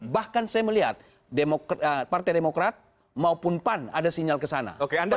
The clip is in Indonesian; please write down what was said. bahkan saya melihat partai demokrat maupun pan ada sinyal ke sana